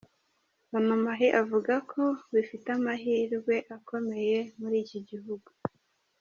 Onomah avuga ko bifite amahirwe akomeye muri iki gihugu.